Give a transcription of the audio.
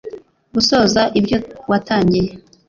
gusoza ibyo watangiye